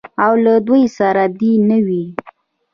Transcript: او له دوی سره دې نه وي.